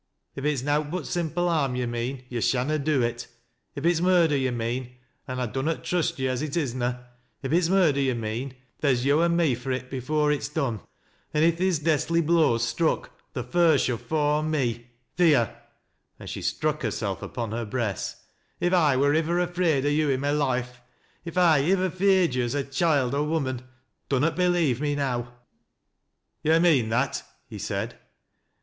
If it's aowt but simple harm yo' mean, yo' shanna do it; if it's murder yo' mean — an' I dunnot trust yo' as it is na if it's murder yo' mean, theer's yo' an' me for it before it's done ; an' if theer's deathly blows struck, the first shaU fa' on me. Theer!" and she struck herself upon hej breast. " If I wur ivver afraid o' yo' i' my loif e — if I ivver feared yo' as choild or woman, dunnot believe me now." " To' mean that ?" he said.